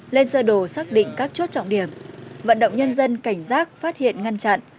lên sơ đồ xác định các chốt trọng điểm vận động nhân dân cảnh giác phát hiện ngăn chặn